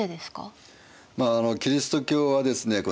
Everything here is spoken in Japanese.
まああのキリスト教はですね